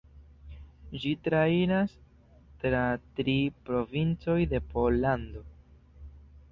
Ĝi trairas tra tri provincoj de Pollando.